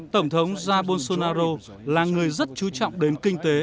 tổng thống jair bolsonaro là người rất chú trọng đến kinh tế